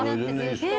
え。